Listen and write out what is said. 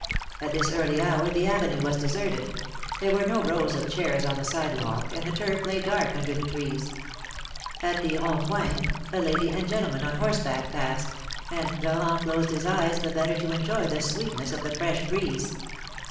At this early hour the avenue was deserted. There were no rows of chairs on the sidewalk, and the turf lay dark under the trees. At the Rond Point, a lady and gentleman on horseback passed, and Florent closed his eyes the better to enjoy the sweetness of the fresh breeze.